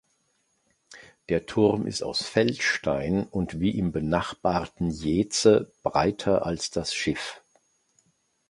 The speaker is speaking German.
Der Turm ist aus Feldstein und wie im benachbarten Jeetze breiter als das Schiff.